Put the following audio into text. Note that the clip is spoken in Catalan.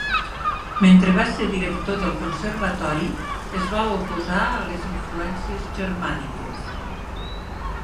Mentre va ser director del Conservatori es va oposar a les influències germàniques.